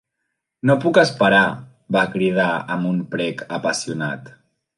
"No puc esperar," va cridar, amb un prec apassionat.